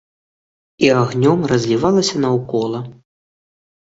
І агнём разлівалася наўкола.